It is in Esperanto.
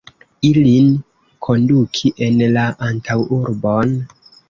ilin konduki en la antaŭurbon?